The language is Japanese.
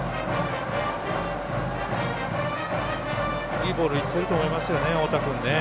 いいボールいってると思いますよね太田君。